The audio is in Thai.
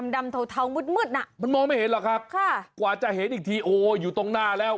ดำเทาเทามืดมืดน่ะมันมองไม่เห็นหรอกครับค่ะกว่าจะเห็นอีกทีโอ้อยู่ตรงหน้าแล้ว